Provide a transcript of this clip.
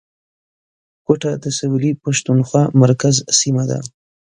کوټه د سویلي پښتونخوا مرکز سیمه ده